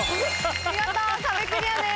見事壁クリアです。